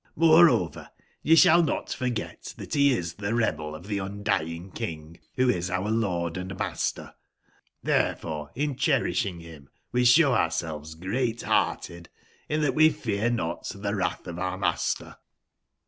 JVloreover, ye sballnot forget tbat be is tbe rebel of tbe Gn dying Kin g,wbo is our lord and master; therefore in cherishing him we sbow ourselves great/hearted, in that we fear not tbe wrath of our master.